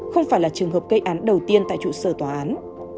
không phải là trường hợp gây án đầu tiên tại trụ sở tòa án